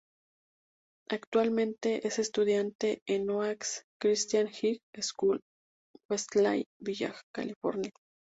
Actualmente es estudiante en Oaks Christian High School Westlake Village, California.